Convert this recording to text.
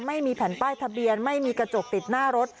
ไม่มีแผ่นป้ายทะเบียนไม่มีกระจกติดหน้ารถ